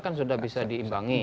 kan sudah bisa diimbangi